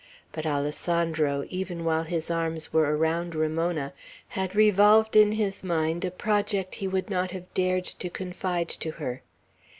But Alessandro, even while his arms were around Ramona, had revolved in his mind a project he would not have dared to confide to her.